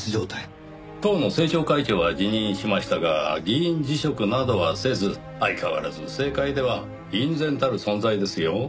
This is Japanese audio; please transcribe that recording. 党の政調会長は辞任しましたが議員辞職などはせず相変わらず政界では隠然たる存在ですよ。